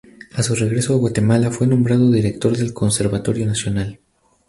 A su regreso a Guatemala fue nombrado director del Conservatorio Nacional.